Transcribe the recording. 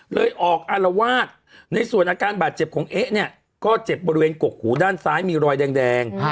เลยออกอารวาสในส่วนอาการบาดเจ็บของเอ๊ะเนี่ยก็เจ็บบริเวณกกหูด้านซ้ายมีรอยแดง